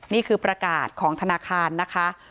นี่คือประกาศของธนาคารนะคะ